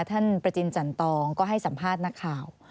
ท่านประจินจันตองก็ให้สัมภาษณ์นักข่าว